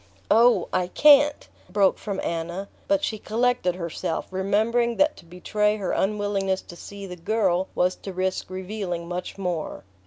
"Oh, I can't " broke from Anna; but she collected herself, remembering that to betray her unwillingness to see the girl was to risk revealing much more.